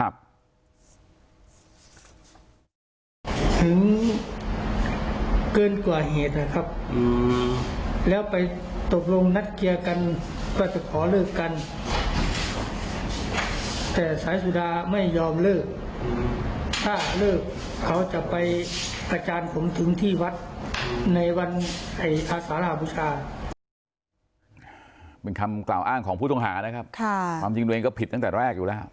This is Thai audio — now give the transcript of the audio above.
เป็นคำกล่าวอ้างของผู้ต้องหานะครับความจริงตัวเองก็ผิดตั้งแต่แรกอยู่แล้ว